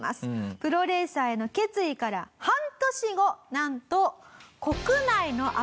プロレーサーへの決意から半年後なんと。